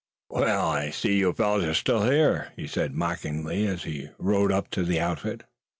"Well, I see you fellows are still here," he said mockingly as he rode up to the outfit.